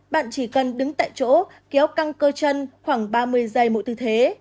bạn chỉ cần đứng tại chỗ kéo căng cơ chân khoảng ba mươi giây mỗi tư thế